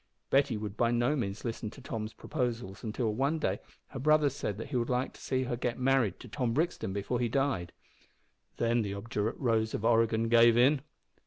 Betty would by no means listen to Tom's proposals until, one day, her brother said that he would like to see her married to Tom Brixton before he died. Then the obdurate Rose of Oregon gave in!